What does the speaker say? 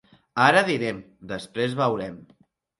Ara dinem, després veurem.